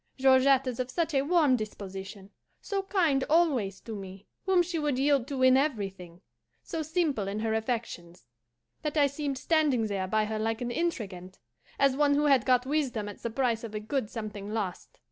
Georgette is of such a warm disposition, so kind always to me, whom she would yield to in everything, so simple in her affections, that I seemed standing there by her like an intrigante, as one who had got wisdom at the price of a good something lost.